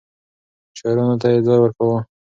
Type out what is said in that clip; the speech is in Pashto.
شاعرانو ته يې ځای ورکاوه.